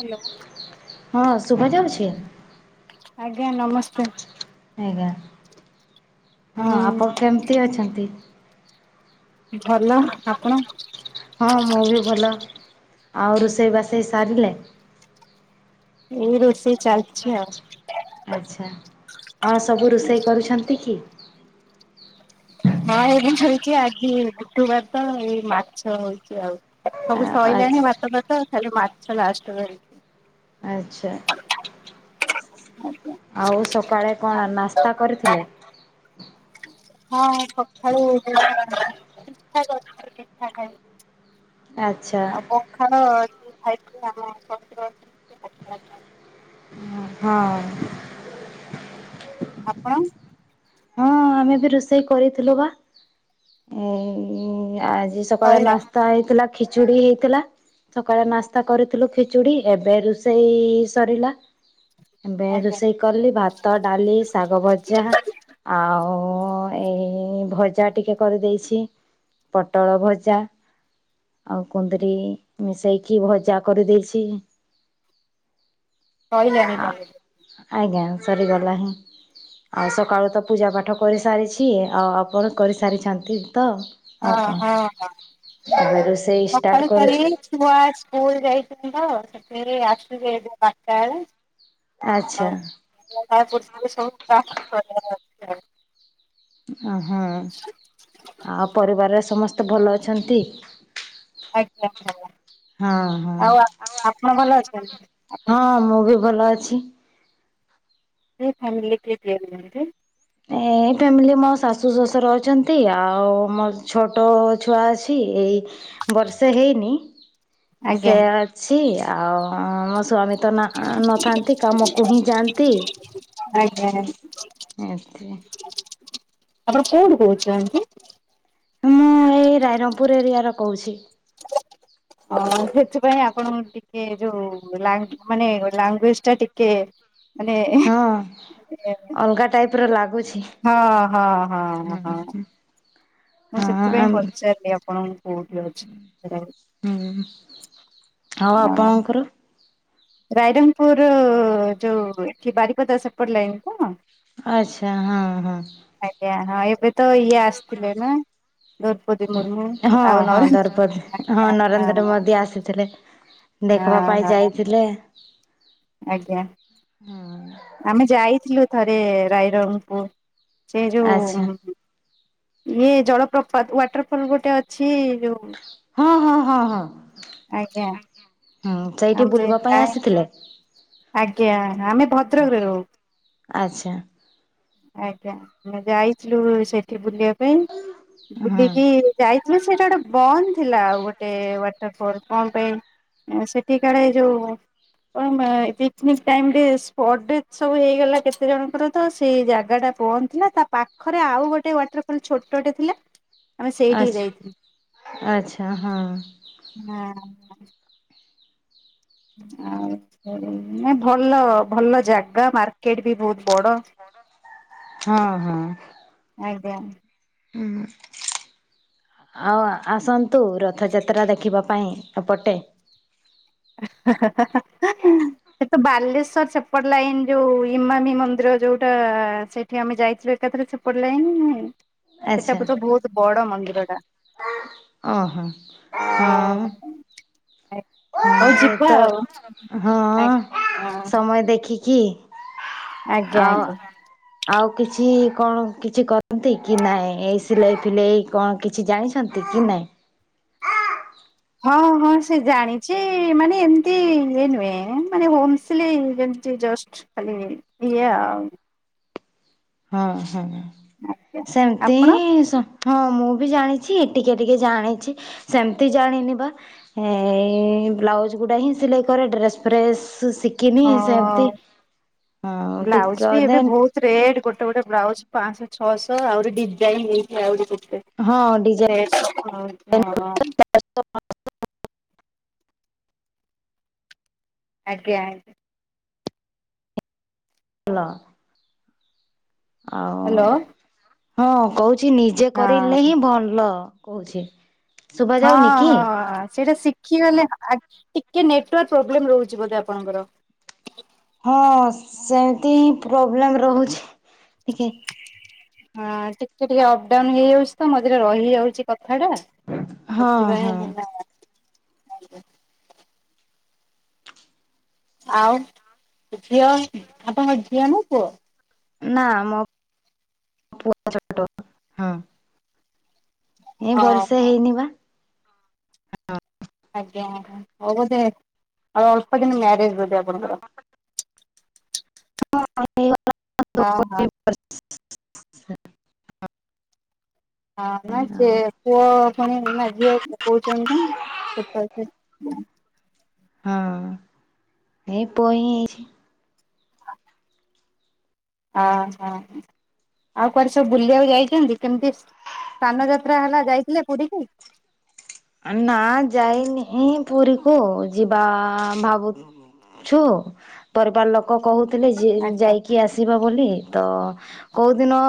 Hello ହଁ ଶୁଭା ଯାଉଛି? ଆଜ୍ଞା ନମସ୍ତେ। ଆଜ୍ଞା ହଁ ଆପଣ ହୁଁ କେମିତି ଅଛନ୍ତି? ଭଲ ଆପଣ ହଁ ମୁଁ ବି ଭଲ ଆଉ ରୋଷେଇ ବାସେଇ ସାରିଲେ? ଏଇ ରୋଷେଇ ଚାଲିଛି ଆଉ। ଆଚ୍ଛା କଣ ସବୁ ରୋଷେଇ କରୁଛନ୍ତି କି? ହଁ ଏମ ହେଇଛି ଆଜି ବୁଧବାର ତ ଏଇ ମାଛ ହଉଛି ଆଉ। [inaudible] ସବୁ ଆଚ୍ଛା ସରଲାଣି ଭାତ ଟାତ ଖାଲି ମାଛ ଲାଷ୍ଟ ଆଚ୍ଛା। ଆଚ୍ଛା [inaudible] ଆଉ ସକାଳେ କଣ ନାସ୍ତା କରିଥିଲେ? ହଁ ସକାଳୁ ପିଠା କରୁଥିଲୁ ପିଠା ଖାଇବୁ। ଆଚ୍ଛା ଆ କ [inaudible] ଖାଇି ଆମ ଶ ଅ [inaudible] ହଁ। ଆପଣ? ହଁ ଆମେ ବି ରୋଷେଇ କରିଥିଲୁ ବା ଏଇ ଆଜି ସକାଳେ ସଇଲା ନାସ୍ତା ହେଇଥିଲା ଖିଚୁଡ଼ି ହେଇଥିଲା। ସକାଳେ ନାସ୍ତା କରିଥିଲୁ ଖିଚୁଡ଼ି ଏବେ ରୋଷେଇ ସରିଲା। ଏବେ ଆଜ୍ଞା ରୋଷେଇ କଲି ଭାତ ଡାଲି ଶାଗ ଭଜା। ଆଉ ଏଇ ଭଜା ଟିକେ କରିଦେଇଛି। ପୋଟଳ ଭଜା। ଆଉ କୁନ୍ଦିରି ମିଶେଇକି ଭଜା କରିଦେଇଛି। କହିଲେଣି କାଲିଠୁ। ଆଜ୍ଞା ସରିଗଲାହିଁ ଆଉ ସକାଳୁ ତ ପୂଜା ପାାଠ କରିସାରିଛି ଆଉ ଆପଣ କରିସାରିଛନ୍ତି ତ? ହଁ ଆଉ ହଁ କଣ ଏବେ ରୋଷେଇ ସକାଳୁ ଷ୍ଟାର୍ଟ ଖାଲି କରୁଛୁ। ଛୁଆ ସ୍କୁଲ୍ ଯାଇଛନ୍ତିତ ସେଠି ଆସିବେ ଏବେ ବାରଟା ବେଳେ। ଆଚ୍ଛା। ଲ ପବ ସବୁ କ ଅ ଆ [inaudible] ଓଁ ହଁ ଆଉ ପରିବାରରେ ସମସ୍ତେ ଭଲ ଅଛନ୍ତି? ଆଜ୍ଞା ଭଲ। ହଁ ହଁ। ଆଉ ଆପଣ ଭଲ ଅଛନ୍ତି? ଆପଣ ହଁ ମୁଁ ବି ଭଲ ଅଛି। କେ ଫ୍ୟାମିରେ କେଏ ଦେନ୍ତି [inaudible] ଏ ଫ୍ୟାମିଲି ମୋ ଶାଶୁ ଶ୍ୱଶୁର ଅଛନ୍ତି ଆଉ ମୋର ଛୋଟ ଛୁଆ ଅଛି ଏଇ ବର୍ଷେ ହେଇନି ଆଜ୍ଞା। ସେ ଅଛି ଆଉ ମୋ ସ୍ଵାମୀ ତ ନଥାନ୍ତି କାମକୁ ହିଁ ଯାଆନ୍ତି। ଆଜ୍ଞା। ଏମିତି। ଆପଣ କୋଉଠୁ କହୁଛନ୍ତି? ମୁଁ ଏଇ ରାଇରଙ୍ଗପୁର ଏରିଆ ର କହୁଛି। ହଁ ସେଥିପାଇଁ ଆପଣଙ୍କ ଟିକେ ଯୋଉ ମାନେ ଲାଙ୍ଗୁଏଜ ଟା ଟିକେ ମାନେ [inaudible] ପୁରା ଲାଗୁଛି। ହଁ ହଁ ହଁ ହଁ। ମୁଁ ସେଥିପାଇଁ ଆମ୍ ପଚାରିଲି ଆପଣଙ୍କୁ କୋଉଠି ଅଛି ସେ? ଉଁ ହୁଁ ଆଉ ଆପଣଙ୍କର? ରାଇରଙ୍ଗପୁର ଯୋଉ ଏଠି ବାରିପଦା ସେପଟ ଲାଇନ ତ? ଆଛା ହଁ ହଁ। ଆଜ୍ଞା ହଁ ଏବେ ତ ଇଏ ଆସିଥିଲେ ନା? ଦ୍ରୌପଦୀ ମୁର୍ମୁ ହଁ ଆଉ ହଁ ନରେନ୍ଦ୍ର ଦୌପଦ ହଁ ଆଜ୍ଞା ହଁ ନରେନ୍ଦ୍ର ମୋଦି ଆସିଥିଲେ। ଦେଖିବା ହଁ ପାଇଁ ହଁ ଯାଇଥିଲେ। ଆଜ୍ଞା। ହୁଁ। ଆମେ ଯାଇଥିଲୁ ଥରେ ରାଇରଙ୍ଗପୁର ସେ ଆଚ୍ଛା ଯୋଉ ଇଏ ଜଳପ୍ରପାତ ୱାଟରଫଲ ଗୋଟେ ଅଛି ଯୋଉ ହଁ ହଁ ହଁ ହଁଁ ଆଜ୍ଞା ହୁଁ ସେଇଠି ଆମେ ବୁଲିବା ପାଇଁ ଯାଏ ଆସିଥିଲେ। ଆଜ୍ଞା ଆମେ ଭଦ୍ରକରେ ରହୁ। ଆଚ୍ଛା ଆଜ୍ଞା ଆମେ ଯାଇଥିଲୁ ସେଠି ବୁଲିବା ପାଇଁ ହଁ ବୁଲିକି ଯାଇଥିଲୁ ସେଇଟା ଗୋଟେ ବନ୍ଦ ଥିଲା ଆଉ ଗୋଟେ ୱାଟର ଫଲ କଣ ପାଇଁ ସେଠି କଳେ ଯୋଉ କଣ ପାଇଁ ପିକ୍ନିକ୍ ଟାଇମ୍ ରେ ସ୍ପଟ୍ ଡେ ସବୁ ହେଇଗଲା କେତେ ଜଣଙ୍କର ତ ସେଇ ଜାଗା ଟା ବନ୍ଧ ଥିଲା ତା ପାଖ ଖରେ ଆଉ ଗୋଟେ ୱାଟରଫଲ ଛୋଟଟେ ଥିଲା। ଆମେ ସେଇଠିକି ଆଛ ଯାଇଥିଲୁ। ଆଚ୍ଛା ହଁ। ହଁ। ଆଉ ନାଇଁ ଭଲ ଭଲ ଜାଗା ମାର୍କେଟ ବି ବହୁତ ବଡ ହଁ ହଁ। ଆଜ୍ଞା। ହୁଁ। ଆଉ ଆସନ୍ତୁ ରଥଯାତ୍ରା ଦେଖିବା ପାଇଁ ଏପଟେ। [unintelligible] ସେ ତ ବାଲେଶ୍ଵର ସେପଟ ଲାଇନ ଯୋଉ ଇମାମି ମନ୍ଦିର ଯୋଉଟା ସେ ଠି ଆମେ ଯାଇଥିଲୁ ଏକାଥରେ ସେପଟ ଲାଇନ ସେଟା ଆଚ୍ଛା ତ ବହୁତ ବଡ ମନ୍ଦିର ଟା। ଓହୋ ଆଉ ହଁ। ହଁ ହଉ ଏ ଯିବା ତ ଆଉ ହଁ ଆଜ୍ଞା ହଁ। ସମୟ ଦେଖିକି ଆଜ୍ଞା ଆଉ ଆଜ୍ଞା। ଆଉ କିଛି କଣ କିଛି କରନ୍ତି କି ନାହିଁ ଏଇ ସିଲେଇ ଫିଲେଇ? କଣ କିଛି ଜାଣିଛନ୍ତି କି ନାଇଁ? ହଁ ହଁ ସେ ଜାଣିଚି ମାନେ ଏମିତି ଇ ନୁହେଁ ମାନେ ହୋମ୍ ସିଲେଇ ଯେମିତିଜଷ୍ଟ। ଖାଲି ଇଏ ଆଉ। ହଁ ହଁ ଆଜ୍ଞା ସେମିତି ଆପଣ ହିଁ ସ ହଁ ମୁଁ ବି ଜାଣିଚି ଟିକେ ଟିକେ ଜାଣିଚି ସେମିତି ଜାଣିନି ବା ଏ ବ୍ଲାଉଜ୍ ଗୁଡ଼ା ହିଁ ସିଲାଇ କରେ ଡ୍ରେସ୍ ଫ୍ରେସ୍ ଶିଖ କିିନି ହଁ ସେମିତି ହଁ ଟିକେ ଅଧେ ରେଟ୍ ଗୋଟେ ଗୋଟେ ବ୍ଲାଉଜ ପାଞ୍ଚଶହ ଛଅଶହ ଆହୁରି ଡିଜାଇନ୍ ହେଇଥାଏ ଆହୁରି କେତେ। ହଁ ଡିଜାଇ ସେ ହଁ ହଁ। ଆଜ୍ଞା। [unintelligible] ଆଉ ହ୍ୟାଲୋ ହଁ। ହଁ କହୁଚି ନିଜେ କରିଲେ ହିଁ ଭଲ କହୁଚି। ହଁ ହଁ ସେଇଟା ଶି [unintelligible] ଟିକେ ମାନେ ଟିକେ ନେଟୱାର୍କ ପ୍ରୋବ୍ଲେମ ରହୁଛି ବୋଧେ ଆପଣଙ୍କର। ହଁ ସେମିତି ହିଁ ପ୍ରୋବ୍ଲେମ୍ ରହୁଛି ଟିକେ। ହଁ ଟିକେ ଟିକେ ଅପ୍ ଡାଉନ ହେଇଯାଉଛି ତ ମଝିରେ ରହିଯାଉଛି କଥା ଟା। ହଁ ସେଥିପାଇଁ ହଁ ହେଲା ଆଉ ଝିଅ ଆପଣଙ୍କ ଝିଅ ନା ପୁଅ ନା ମୋ ପୁଅ ଛୋଟ ହଁ। ଏଇ ବର୍ଷେ ଓହୋ ହେଇନି ବା ଆଜ୍ଞା ହଉ ବଧେ ଅଳ୍ପ ଦିନ ମ୍ୟାରେଜ ବୋଧେ ଆପଣଙ୍କର। [unintelligible] ହଁ ହଁ। ହଁ ନା ସେ ଆଉ ପୁଅ ପୁଣି ନା ଝିଅ କହୁଛନ୍ତି ନା ଛୋଟ ହଁ ଏଇ ପୋଇ ହେଇଛି। [inaudible] ଆ ହ ଆଉ କୁଆଡେ ସବୁ ବୁଲିବାକୁ ଯାଇଛନ୍ତି କେମିତି ସ୍ନାନ ଯାତ୍ରା ହେଲା ଯାଇଥିଲେ ପୁରୀ କି? ନା ଯାଇନି ପୁରୀକୁ ଯିବା ଭାବୁ ଛୁ ପରିବାର ଲୋକ କହୁଥିଲେ ଯେ ଆଜ୍ଞା ଯାଇକି ଆସ। ବୋଲି ତ କୋଉ ଦିନ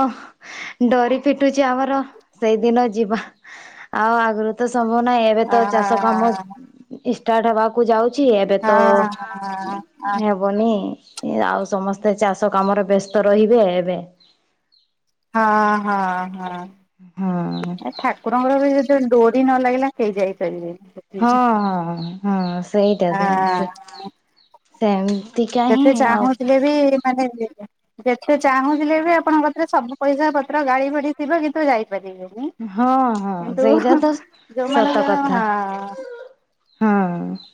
ଡୋରି ଫିଟୁଛି ଆମର ସେଇଦିନ ଯିବା ଆଉ ଆଗରୁ ତ ସମ୍ଭବ ନାହିଁ। ଏବେ ଅ ତ ଚାଷ କାମ ଷ୍ଟାର୍ଟ ହେବାକୁ ଯାଉଛି ଏବେ ହଁ ତ ହଁ ହବନି ଆଉ ସମସ୍ତେ ଚାଷ କାମରେ ବ୍ୟସ୍ତ ରହିବେ ଏବେ ହଁ ହଁ ହଁ। ହଁ। ଏ ଠାକୁରଙ୍କର ବି ଯଦି ଡୋରି ନ ଲାଗିଲା କେହି ଯାଇପାରିବେନି। ହଁ ହଁ ହଁ ସେଇଟା ତ ସେ ହଁ ସେମତି ଯେତେ କାହିଁ ଆଉ ଚାହୁଁଥିଲେ ମାନେ ଯେତେ ଚାହୁଁଥିଲେ ବି ଆପଣଙ୍କ କତିରେ ସବୁ ପଇସା ପତ୍ର ଗାଡି ଫାଡି ଥିବ କିନ୍ତୁ ଯାଇ ପାରିବେନି ହଁ ହଁ କିନ୍ତୁ ସେଇଟା ତ ସତ ଯୋଉମାନଙ୍କର କଥା ହଁ ହଁ।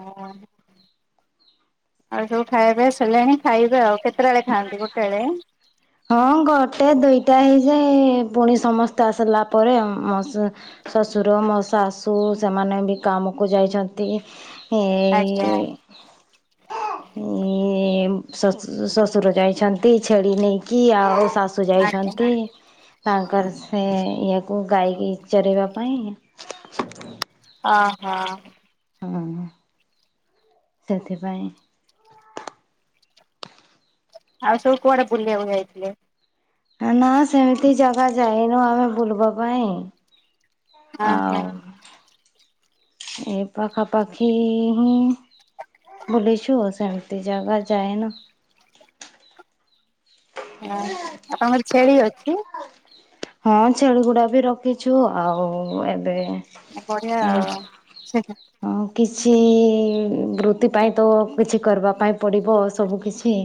ଆଉ ସବୁ ଖାଇବା ପିଇବା ସରିଲାଣି ଖାଇବେ ଆଉ କେତେ କେତେଟାବେଳେ ଖାଆନ୍ତି ଗୋଟେ ବେଳେ ହଁ ଗୋଟେ ଦୁଇଟା ହେଇଯାଏ ପୁଣି ସମସ୍ତେ ଆସିଲା ପରେ। ମ ଶ୍ୱଶୁର ମୋ ଶାଶୁ ସେମାନେ ବି କାମକୁ ଯାଇଛନ୍ତି। ଆଜ୍ଞା ଏଇ ଏ ଶସୁ [unintelligible] ଶ୍ଵଶୁର ଯାଇଛନ୍ତି ଛେଳି ନେଇକି ଆଉ ଶାଶୁ ଆଜ୍ଞା ଯାଇଛନ୍ତି। ତାଙ୍କର ସେ ଇଏକୁ ଗାଈକି ଚରାଇବା ପାଇଁ। ଅ ହଁ। ହଁ। ସେଥିପାଇଁ ଆଉ ସବୁ କୁଆଡେ ବୁଲିବାକୁ ଯାଇଥିଲେ? ନା ସେମିତି ଜାଗା ଯାଇନୁ ଆମେ ବୁଲିବା ପାଇଁ। ଅ ହଁ। ଏ ପାଖାପାଖି ହିଁ। ବୁଲିଚୁ ସେମତି ଜାଗା ଯାଇନ। ଆପଣଙ୍କର ଛେଳି ଅଛି? ହଁ ଛେଳି ଗୁଡ଼ା ବି ରଖିଛୁ ଆଉ ଏବେ ଏ ବଢ଼ିଆ ଏଇ ଆଉ ସେ ହଁ କିଛି ବୃତ୍ତି ପାଇଁ ତ କିଛି କର୍ବା ପାଇଁ ପଡ଼ିବ ସବୁ କିଛି।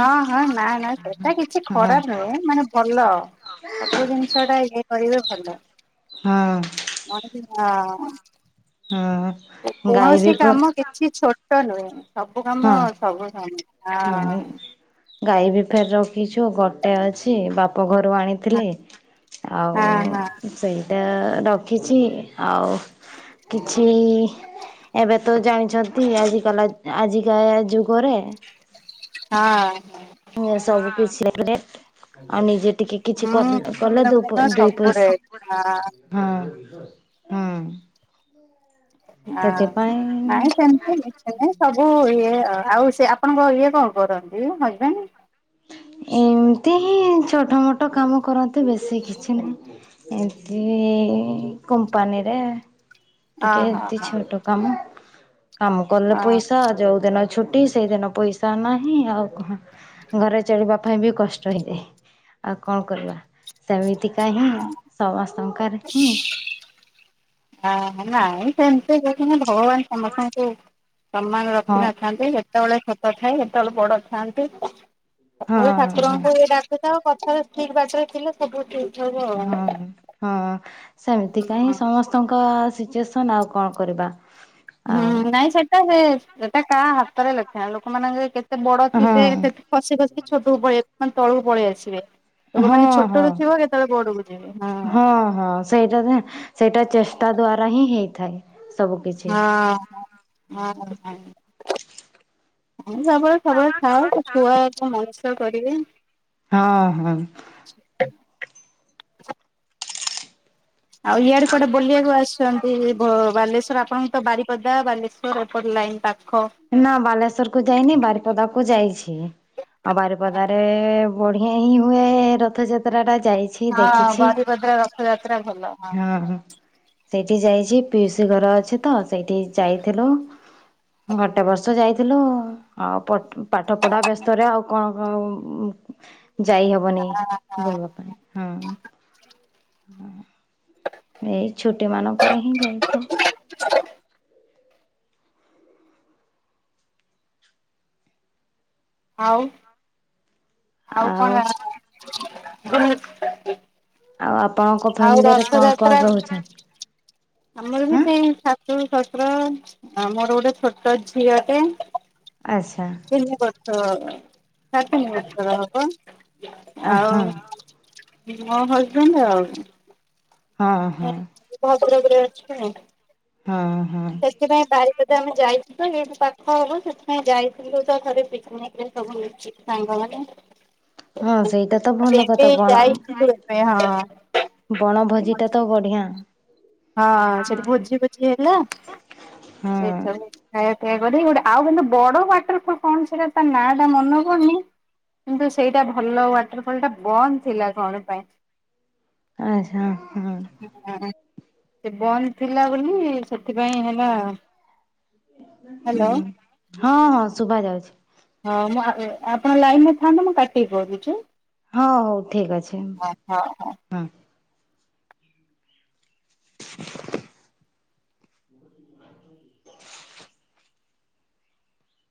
ହଁ ହଁ ନାଁ ନାଁ ସେଟା କିଛି ହଁ ଖରାପ ନୁହେଁ ମାନେ ଭଲ। ସବୁ ଜିନିଷଟା ଇଏ କରିବେ ଭଲ। ହଁ। ଅଁଟେ ତି ଅଁ ହଁ ଗାଈ ବି ଉଁ ଛି ଛୋଟ ନୁହେଁ ସବୁ କାମ ସବୁ ସମ ଆ ହଁ ଗାଈ ବି ଫେର୍ ରଖିଚୁ ଗୋଟେ ଅଛି ବାପ ଘରୁ ଆଣି ଥିଲେ ହଁ ଆଉ ହଁ ସେଇଟା ରଖିଚି ଆଉ କିଛି ଏବେ ତ ଜାଣିଚନ୍ତି ଆଜିି କଲା ଆଜି ଯାୟା ଯୁଗରେ ହଁ। ଏ ସବୁ କିଛି [unintelligible] ଆଉ ନିଜେ ଟିକେ କିଛି କ ହୁଁ କଲେ ଭିନ୍ନ ଦୋ ପ ଭିନ୍ନ ଦୁଇ ସବୁରେ ପଇସି ହଁ ହଁ ହଁ। ଆ ହଁ ସେଥିପାଇଁ ନାଇଁ ସେମତି ଏନେ ସବୁ ଇଏ ଅ ଆଉ ସେ ଆପଣଙ୍କ ଇଏ କଁ କରନ୍ତି ହଜବେନ୍? ଏମତି ହିଁ ଛୋଟ ମୋଟ କାମ କରନ୍ତି ବେଶୀ କିଛି ନାଇଁ। ଏମତି କମ୍ପାନୀରେ ଟିକେ ଅହ ଏତି ହ ଛୋଟ କାମ କାମ କଲେ ପଇସା ଯୋଉ ଦିନ ଛୁଟି ସେଇ ଦିନ ପଇସା ନାହିଁ ଆଉ କଣ। ଘରେ ଚଳିବା ପାଇଁ ବି କଷ୍ଟ ହେଇଯାଏ ଆଉ କଣ କରିବା ସେମିତିକା ହିଁ ସମସ୍ତଙ୍କର ହିଁ ଆ ନାଇଁ ସେମତି କିଛିନା ଭଗବାନ ସମସ୍ତଙ୍କୁ ସମାନ ହଁ ରଖିନଥାନ୍ତି କେତୋଳେ ଛୋଟ ଥାଏ କେତୋଳେ ବଡ଼ ଥାଆନ୍ତି। ହଁ ସବୁବେଳେ ହଁ ଠାକୁରଙ୍କୁ ହିଁ ଡାକୁଥାଅ ପଛରେ ଠିକ୍ ବାଟରେ ଥିଲେ ସବୁଠୁ ହଁ ହଁ ସେମତିକା ହିଁ ଆଉ। ସମସ୍ ତଙ୍କ ସିଚୁଏସନ୍ ଆଉ କଣ କରିବା? ହୁଁ ଆଉ ନାଇଁ ସେଟା ହେ ଏଟା କାହା ହାତରେ ଲେଖା ଲୋକମାନଙ୍କେ କେତେ ବଡ଼ ହଁ ହଁ ଥିବେ ସେତେ ପଛେ ଖସିକି ଛୋଟକୁ ପଳେ ମାନେ ତଳୁକୁ ପଳିଆସିବେ। ତ ଉ ଛୋଟରୁ ଥିବ କେତୋଳେ ବଡ଼ୁକୁ ଯିବେ ହୁଁ। ଅଁ ହଁ। ସେଇଟା ଦେଁ ସେଇଟା ଚେଷ୍ଟା ଦ୍ଵାରା ହିଁ ହେଇଥାଏ। ସବୁ କିଛି। ହଁ ହଁ ହଁ ହଁ ହଁ ସବେଳେ ସବେଳେ ଥାଅ ସେ ଛୁଆ ଏକା ମଣିଷ କରିବେ। ହଁ ହୁଁ। ଆଉ ଇଆଡ଼େ କୁଆଡ଼େ ବଲିବାକୁ ଆସିଚଁ? ତି ବ ବାଲେଶ୍ୱର ଆପଣଙ୍କୁ ତ ବାରିପଦା ବାଲେଶ୍ୱର ଏପଟ ଲାଇନ୍ ପାଖ। ନାଁ ବାଲେଶ୍ଵରକୁ ଯାଇନି ବାରିପଦାକୁ ଯାଇଛି ଆଉ ବାରିପଦାରେ ବଢ଼ିଆ ହିଁ ହୁଏ ରଥଯାତ୍ରାଟା ଯାଇଛି। ହଁ ଦେଖିଛି। ବାରିପଦା ରଥଯାତ୍ରା ଭଲ ହଁ। ସେଇଠି ଯାଇଚି ପିଉସୀ ଘର ଅଛି ତ ସେଇଠି ଯାଇଥିଲୁ ଗୋଟେ ବର୍ଷ ଯାଇଥିଲୁ ଆଉ ପ- ପାଠ ପଢା ବ୍ୟସ୍ତରେ ଆଉ କଣ କଣ ଯାଇ ହବନି ବୁଲିବା ପାଇଁ ହଁ। ଏଇ ଛୁଟି ମାନଙ୍କରେ ହିଁ ଯାଇଥାଉ। [inaudible] ଆଉ ଆଉ କଣ ଆଉ ଆପଣଙ୍କ ଆଉ ଫ୍ୟାମିଲିରେ କଣ କଣ ରଥଯାତ୍ରା ରହୁଚନ୍ତି? ଆମର ବି ସେଇ ଶାଶୁ, ଶଶୁର ମୋର ଗୋଟେ ଛୋଟ ଝିଅଟେ ଆଚ୍ଛା ତିନି ବର୍ଷ [unintelligible] ହବ ହଁ ଆଉ ମୋ ହଜବେଣ୍ଟ୍ ଆଉ ହଁ ହଁ। [unintelligible] ହଁ- ହଁ। ସେଥିପାଇଁ ବାଇକ୍ ରେ ଆମେ ଯାଇଥିଲୁ ଏଇଠି ପାଖ ହବ ସେଥିପାଇଁ ଯାଇଥିଲୁ ତ ଥରେ [unintelligible] ସାଙ୍ଗ ମାନେ ହଁ ସେଇଟା ତ ଭଲ କଥା ଏବେ ବଣ ଯାଇଥିଲୁ ଏବେ ହଁ। ବଣଭୋଜି ଭୋଜି ଟା ତ ବଢିଆ। ହଁ ସେଠି ଭୋଜି ଭୋଜି ହେଲା ହଁ ସେଇଠ ଖାଇବା ପିଇବା କରିକି ଗୋଟେ ଆଉ କିନ୍ତୁ ବଡ ୱାଟର୍ ଫଲ୍ କଣ୍ ସେଟା ତା ନାଁ ଟା ମନ ପଡୁନି କିନ୍ତୁ ସେଇଟା ଭଲ ୱାଟର୍ ଫଲ୍ ଟା ବନ୍ଦ୍ ଥିଲା କଣ ପାଇଁ। ଆଚ୍ଛା -ହଁ। ସେ ବନ୍ଦ ଥିଲା ବୋଲି ସେଥିପାଇଁ ହେ [unintelligible] ହଁ- ହଁ ଶୁଭା ଯାଉଚି। ହଁ ମୁଁ-ଆ- ଆପଣ ଲାଇନରେ ଥାଆନ୍ତୁ ମୁଁ କାଟି କି କରୁଚି। ହଁ ହଉ ଠିକ୍ ଅଛି। ହଁ- ହଁ- ହଁ। ହଁ। [inaudible]